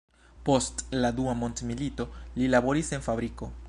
Post la dua mondmilito, li laboris en fabriko.